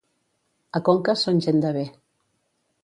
A Conques són gent de bé.